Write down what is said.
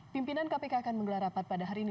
pimpinan kpk akan menggelar rapat pada hari ini